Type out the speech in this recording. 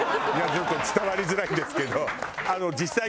ちょっと伝わりづらいんですけど。